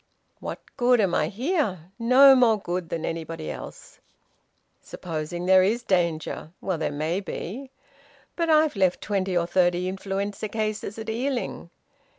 What good am I here? No more good than anybody else. Supposing there is danger? Well, there may be. But I've left twenty or thirty influenza cases at Ealing.